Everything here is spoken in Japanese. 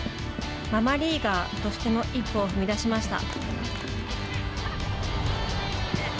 ママリーガーとしての一歩を踏み出しました。